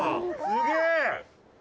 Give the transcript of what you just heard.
すげえ！